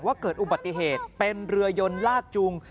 เกิดอุบัติเหตุเป็นเรือยนลากจูง